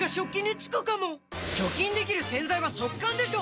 除菌できる洗剤は速乾でしょ！